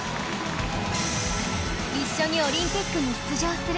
「一緒にオリンピックに出場する」